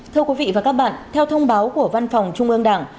thưa quý vị và các bạn theo thông báo của văn phòng trung ương đảng